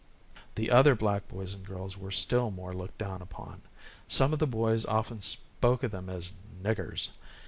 The other black boys and girls were still more looked down upon. Some of the boys often spoke of them as "niggers."